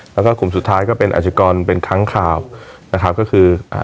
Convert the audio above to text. แล้วก็กลุ่มสุดท้ายก็เป็นอาชิกรเป็นค้างข่าวนะครับก็คืออ่า